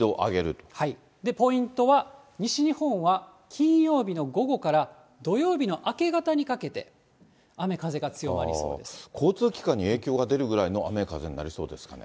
ポイントは、西日本は金曜日の午後から、土曜日の明け方にかけて、雨、交通機関に影響が出るぐらいの雨、風になりそうですかね。